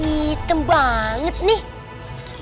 hitam banget nih